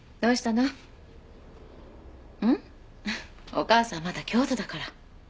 お母さんまだ京都だから。